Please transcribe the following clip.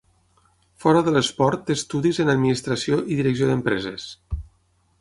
Fora de l'esport té estudis en administració i direcció d'empreses.